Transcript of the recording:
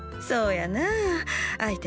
そうやなあ。